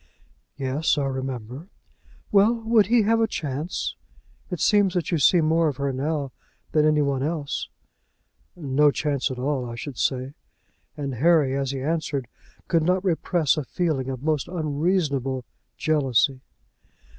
"Yes; I remember." "Well, would he have a chance? It seems that you see more of her now than any one else." "No chance at all, I should say." And Harry, as he answered, could not repress a feeling of most unreasonable jealousy.